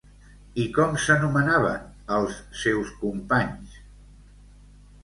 I com s'anomenaven els seus companys?